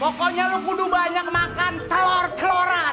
pokoknya lo kudu banyak makan telor teloran